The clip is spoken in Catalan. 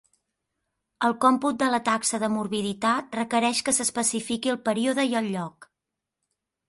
El còmput de la taxa de morbiditat requereix que s'especifiqui el període i el lloc.